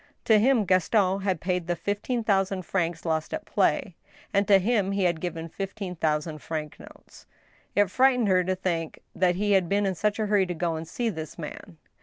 To him Gaston had paid the fifteen thousand francs lost at play, and to him he had given fifteen thousand franc notes. It frightened her to think that he had been in such a hurry to go and see this man.